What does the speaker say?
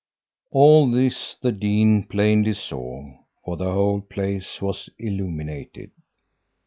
"All this the dean plainly saw, for the whole place was illuminated.